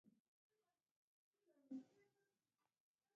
دا کسان نه غواړي چې د دین په نامه د انسان وینه تویه شي